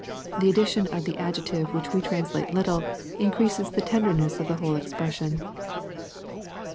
The addition of the adjective which we translate "little," increases the terderuess of the whole expression.